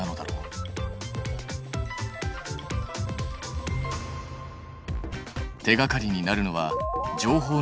手がかりになるのは情報の伝達経路。